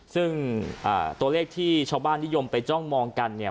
ซึ่งตัวเลขที่ชาวบ้านนิยมไปจ้องมองกันเนี่ย